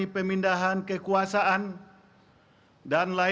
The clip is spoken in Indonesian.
tanda kebesaran buka